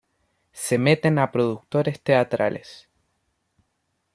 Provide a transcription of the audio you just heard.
Se meten a productores teatrales.